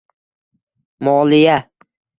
moliya;